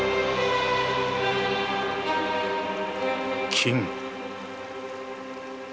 金？